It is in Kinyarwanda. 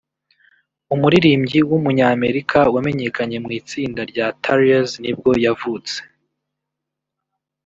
umuririmbyi w’umunyamerika wamenyekanye mu itsinda rya Tarriers nibwo yavutse